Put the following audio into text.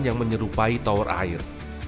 yang menyerupai tower air